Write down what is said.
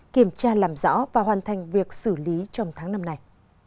kiểm tra làm rõ và hoàn thành việc xử lý trong tháng năm này